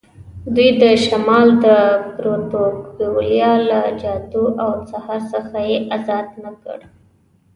دوی د شمال د پروتوکولیانو له جادو او سحر څخه یې آزاد نه کړ.